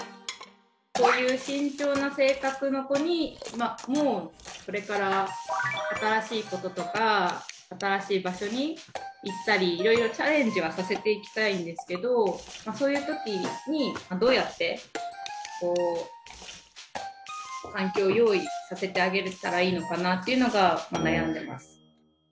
こういう慎重な性格の子にもこれから新しいこととか新しい場所に行ったりいろいろチャレンジはさせていきたいんですけどそういう時にどうやって環境を用意させてあげれたらいいのかなっていうのが悩んでます。